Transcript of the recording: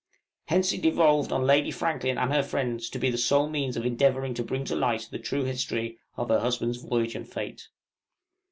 Hence it devolved on Lady Franklin and her friends to be the sole means of endeavoring to bring to light the true history of her husband's voyage and fate.